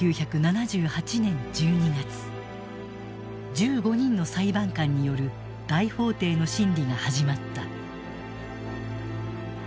１５人の裁判官による大法廷の審理が始まった。